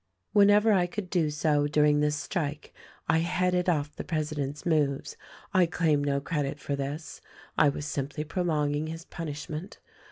"Whenever I could do so, during this strike, I headed off the president's moves. I claim no credit for this. I was simply prolonging his punishment.